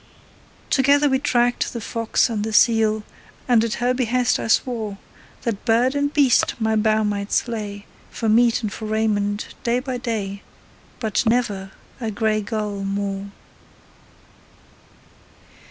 Together we tracked the fox and the seal, And at her behest I swore That bird and beast my bow might slay For meat and for raiment, day by day, But never a grey gull more.